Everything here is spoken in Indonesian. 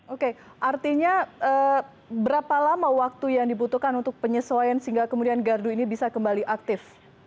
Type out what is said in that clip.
oke artinya berapa lama waktu yang dibutuhkan untuk penyesuaian sehingga kemudian gardu ini bisa kembali aktif